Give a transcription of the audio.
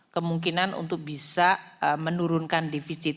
kemungkinan untuk bisa menurunkan defisit